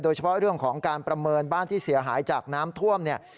โดยเฉพาะเรื่องของการประเมินบ้านที่เสียหายจากน้ำท่วมเนี่ย